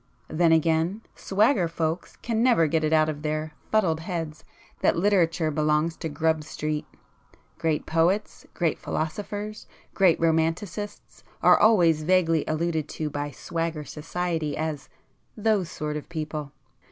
Then again 'swagger' folks can never get it out of their fuddled heads that Literature belongs to Grub Street. Great poets, great philosophers, great romancists are always vaguely alluded to by 'swagger' society as 'those sort of people.